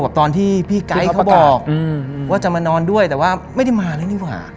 ตอนที่พี่ไก๊เขาบอกว่าจะมานอนด้วยแต่ว่าไม่ได้มาเลยดีกว่า